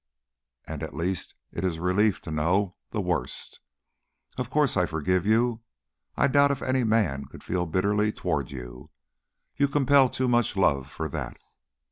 And at least it is a relief to know the worst. Of course I forgive you. I doubt if any man could feel bitterly toward you. You compel too much love for that.